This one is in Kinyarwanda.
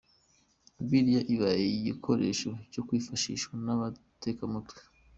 Bibiliya yabaye igikoresho cyo kwifashishwa n’abatekamitwe.